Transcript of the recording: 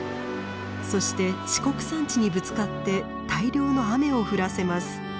そして四国山地にぶつかって大量の雨を降らせます。